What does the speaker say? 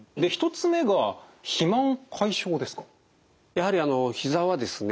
やはりひざはですね